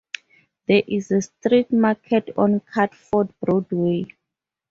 There is a street market on Catford Broadway.